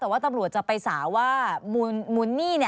แต่ว่าตำรวจจะไปสาวว่ามูลหนี้